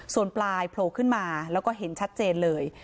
ส่วนปลายโผล่ขึ้นมาแล้วก็เห็นชัดเจนเลย